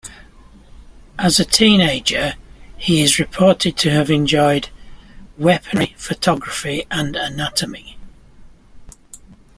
As a teenager, he is reported to have "enjoyed weaponry, photography and anatomy".